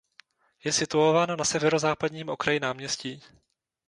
Je situován na severozápadním okraji náměstí.